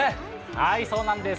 はい、そうなんです。